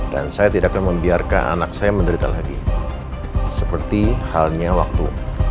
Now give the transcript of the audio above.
dan saya tidak akan membiarkan anak saya menderita lagi seperti halnya waktu